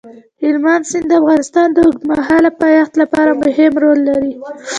هلمند سیند د افغانستان د اوږدمهاله پایښت لپاره مهم رول لري.